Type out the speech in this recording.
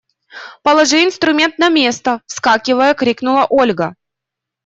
Положи инструмент на место! –вскакивая, крикнула Ольга.